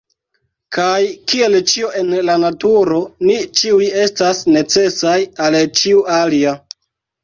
Kaj, kiel ĉio en la Naturo, ni ĉiuj estas necesaj al ĉiu alia.